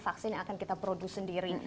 vaksin yang akan kita produk sendiri